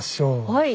はい。